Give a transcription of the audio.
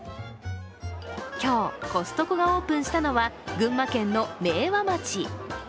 今日、コストコがオープンしたのは群馬県の明和町。